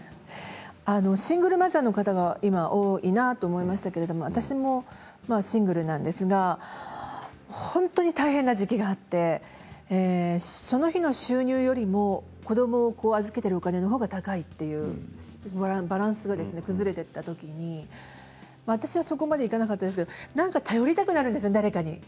シングルマザーの方が多いなと思いましたが私もシングルなんですが本当に大変な時期があってその日の収入よりも子どもを預けているお金の方が高いという、バランスが崩れていった時に私はそこまでいかなかったんですが、何か誰かに頼りたくなるんですよ。